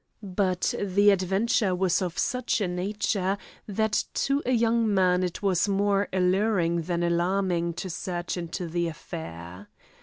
But the adventure was of such a nature, that to a young man it was more alluring than alarming to search into the affair.